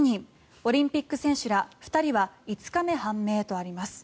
オリンピック選手ら２人は５日目判明とあります。